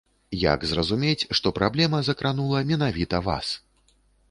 Як зразумець, што праблема закранула менавіта вас?